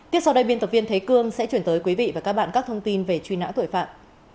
tiếp sau đây biên tập viên thế cương sẽ chuyển tới quý vị và các bạn các thông tin về truy nã tội phạm